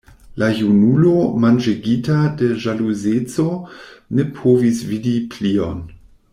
La junulo manĝegita de ĵaluzeco ne povis vidi plion.